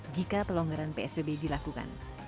jika pelonggaran psbb dilakukan